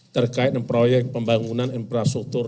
terkait dengan proyek pembangunan infrastruktur